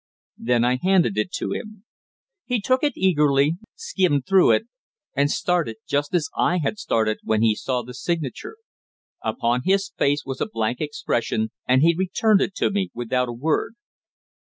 Then I handed it to him. He took it eagerly, skimmed it through, and started just as I had started when he saw the signature. Upon his face was a blank expression, and he returned it to me without a word.